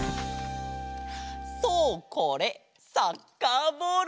そうこれサッカーボール！